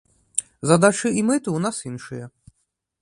Задачы і мэты ў нас іншыя.